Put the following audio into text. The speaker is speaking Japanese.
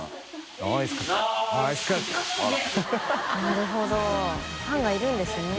なるほどファンがいるんですね。